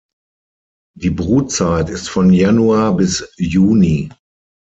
Die Brutzeit ist von Januar bis Juni.